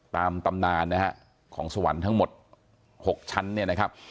ตามตำนานนะฮะของสวรรค์ทั้งหมด๖ชั้นเนี่ยนะครับ